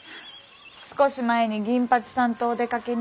少し前に銀八さんとお出かけに。